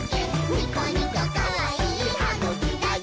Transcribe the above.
ニコニコかわいいはぐきだよ！」